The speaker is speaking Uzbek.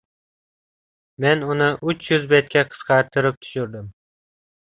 Men uni uch yuz betga qisqartirib tushirdim.